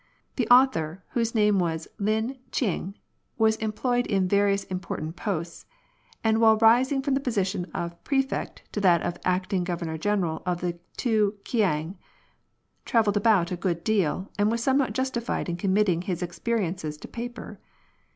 The author, whose name was Lin ch'ing, was employed in various im portant posts ; and while rising from the position of Prefect to that of Acting Grovern or General of the two Kiang, travelled about a good deal, and was somewhat justified in committing his experiences to paper.